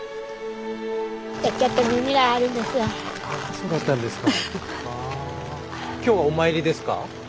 そうだったんですか。